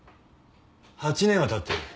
８年はたってる。